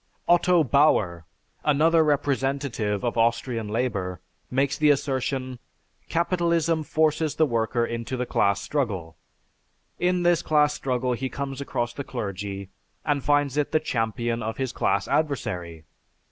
Otto Bauer, another representative of Austrian labor, makes the assertion: "Capitalism forces the worker into the class struggle. In this class struggle he comes across the clergy and finds it the champion of his class adversary.